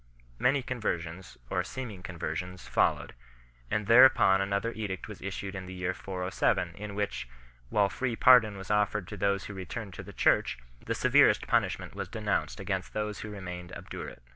Many conversions, or seeming conversions, followed, and there upon another edict was issued in the year 407 in which, while free pardon was offered to those who returned to the Church, the severest punishment was denounced against those who remained obdurate.